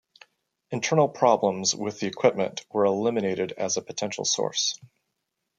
Internal problems with the equipment were eliminated as a potential source.